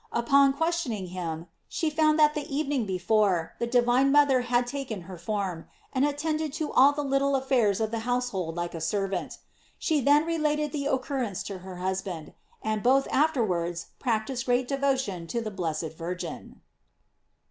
Upon questioning him, she found that the evening before, the divine mother had taken her form, and attended to all the little affairs of the household like a servant. She then related the occurrence to her husband, and they both afterwards practised great devotion to the blessed Virgin.